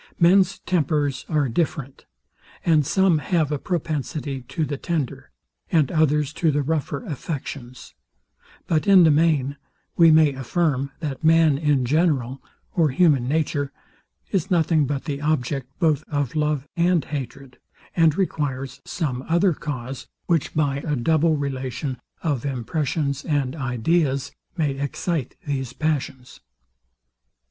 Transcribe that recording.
Men's tempers are different, and some have a propensity to the tender, and others to the rougher, affections: But in the main, we may affirm, that man in general, or human nature, is nothing but the object both of love and hatred, and requires some other cause, which by a double relation of impressions and ideas, may excite these passions.